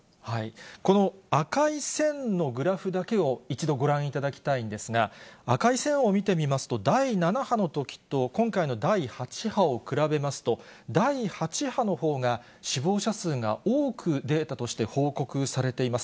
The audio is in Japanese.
この赤い線のグラフだけを、一度ご覧いただきたいんですが、赤い線を見てみますと、第７波のときと今回の第８波を比べますと、第８波のほうが、死亡者数が多くデータとして報告されています。